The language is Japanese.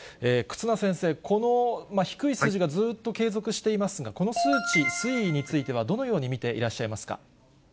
忽那先生、この低い数字がずっと継続していますが、この数値、推移については、どのように見ていらっしゃいますか。